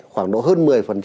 khoảng độ hơn một mươi